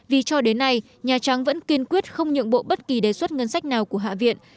vì cho đến nay nhà trắng vẫn kiên quyết không nhượng bộ bất kỳ đề xuất ngân sách nào của hạ viện